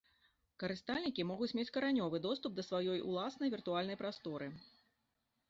Карыстальнікі могуць мець каранёвай доступ да сваёй ўласнага віртуальнай прасторы.